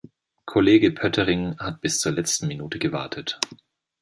Kollege Poettering hat bis zur letzten Minute gewartet!